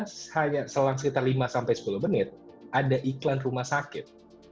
tiba tiba selang sekitar lima sampai sepuluh menit ada iklan rumah sakit